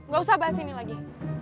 gak usah bahas ini lagi